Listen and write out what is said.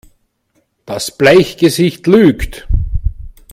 Das Bleichgesicht lügt!